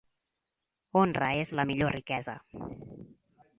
Honra és la millor riquesa.